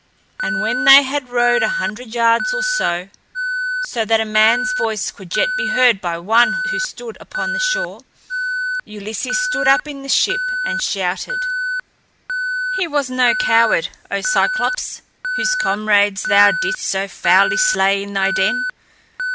And when they had rowed a hundred yards or so, so that a man's voice could yet be heard by one who stood upon the shore, Ulysses stood up in the ship and shouted: "He was no coward, O Cyclops, whose comrades thou didst so foully slay in thy den.